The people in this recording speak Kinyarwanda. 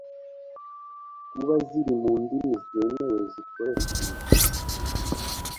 kuba ziri mu ndimi zemewe zikoreshwa mu Rwanda.